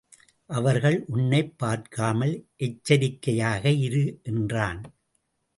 அவர்கள் உன்னைப் பார்க்காமல் எச்சரிக்கையாக இரு என்றான்.